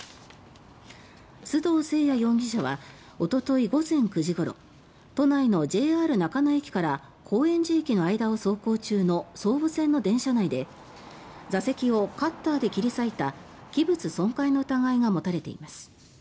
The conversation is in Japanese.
須藤誠也容疑者はおととい午前９時ごろ都内のＪＲ中野駅から高円寺駅の間を走行中の総武線の電車内で座席をカッターで切り裂いた器物損壊の疑いが持たれています。